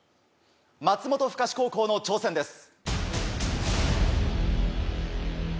松本深志高校の挑戦です。